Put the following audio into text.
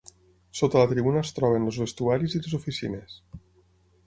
Sota la tribuna es troben els vestuaris i les oficines.